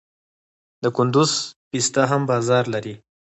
د کندز پسته هم بازار لري.